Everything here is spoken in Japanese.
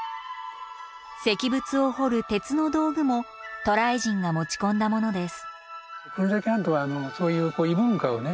石仏を彫る鉄の道具も渡来人が持ち込んだものです。